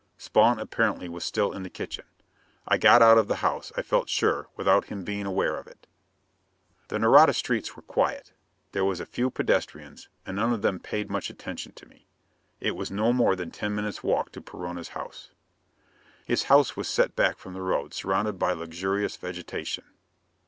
Spawn apparently was still in the kitchen. I got out of the house, I felt sure, without him being aware of it. The Nareda streets were quiet. There was a few pedestrians, and none of them paid much attention to me. It was no more than ten minutes walk to Perona's home. His house was set back from the road, surrounded by luxurious vegetation.